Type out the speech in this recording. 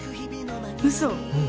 うそ！